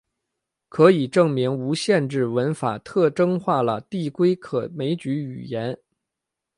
可以证明无限制文法特征化了递归可枚举语言。